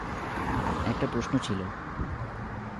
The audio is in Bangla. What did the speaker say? একটা প্রশ্ন ছিল।